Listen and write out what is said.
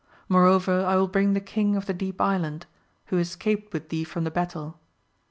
Moreover I will bring the King of the Deep Island, who escaped with thee from the battle.